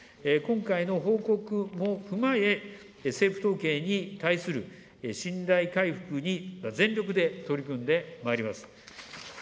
今回の報告も踏まえ、政府統計に対する信頼回復に全力で取り組んでまいります。